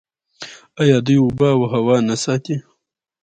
آیا دوی اوبه او هوا نه ساتي؟